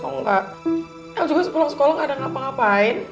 el juga pulang sekolah gak ada ngapa ngapain